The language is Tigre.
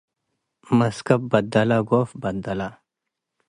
መስከብ በደለ ጎፍ በደለ።